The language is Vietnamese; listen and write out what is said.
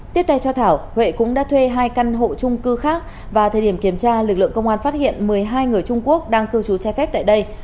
tiếp tay cho thảo huệ cũng đã thuê hai căn hộ trung cư khác và thời điểm kiểm tra lực lượng công an phát hiện một mươi hai người trung quốc đang cư trú trai phép tại đây